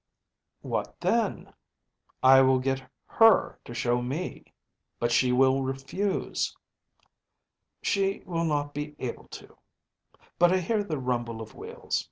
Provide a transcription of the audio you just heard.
‚ÄĚ “What then?‚ÄĚ “I will get her to show me.‚ÄĚ “But she will refuse.‚ÄĚ “She will not be able to. But I hear the rumble of wheels.